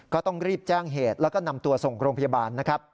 ก็ต้องรีบแจ้งเหตุแล้วก็นำตัวส่งโรงพยาบาลนะครับ